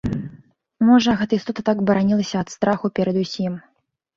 Можа, гэта істота так баранілася ад страху перад усім.